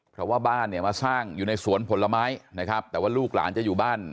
เพราะว่าบ้านเนี่ยมาสร้างอยู่ในสวนผลไม้นะครับแต่ว่าลูกหลานจะอยู่บ้าน